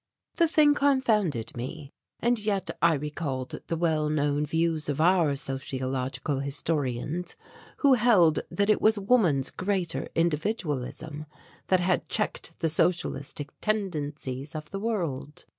The thing confounded me, and yet I recalled the well known views of our sociological historians who held that it was woman's greater individualism that had checked the socialistic tendencies of the world.